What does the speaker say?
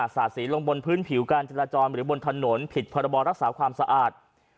สาดสีลงบนพื้นผิวการจราจรหรือบนถนนผิดพรบรักษาความสะอาด